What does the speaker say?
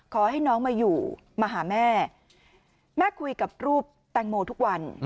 ขอให้น้องมาอยู่มาหาแม่แม่คุยกับรูปแตงโมทุกวัน